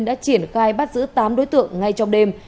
đã triển khai bắt giữ tám đối tượng ngay trong đêm